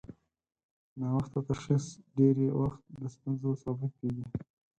ناوخته تشخیص ډېری وخت د ستونزو سبب کېږي.